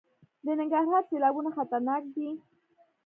د ننګرهار سیلابونه خطرناک دي